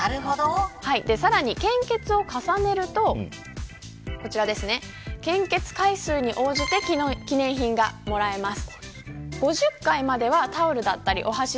さらに献血を重ねると献血回数に応じて記念品がもらえます。